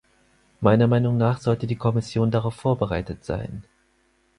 Meiner Meinung nach sollte die Kommission darauf vorbereitet sein.